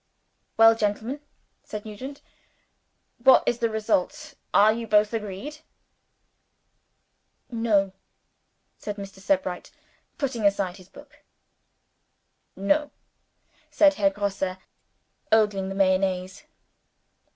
"Well, gentlemen," said Nugent, "what is the result? Are you both agreed?" "No," said Mr. Sebright, putting aside his book. "No," said Herr Grosse, ogling the Mayonnaise.